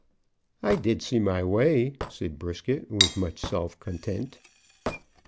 "I did see my way," said Brisket, with much self content.